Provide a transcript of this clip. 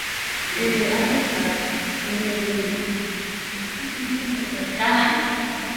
그 밤을 고스란히 새운 신철이는 지갑을 톡톡 털어 동무를 주었다.